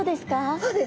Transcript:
そうです。